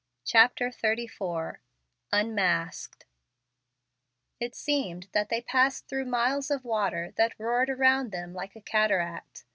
CHAPTER XXXIV UNMASKED It seemed that they passed through miles of water that roared around them like a cataract.